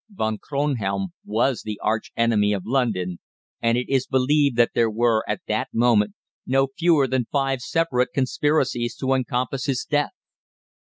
Von Kronhelm was the arch enemy of London, and it is believed that there were at that moment no fewer than five separate conspiracies to encompass his death.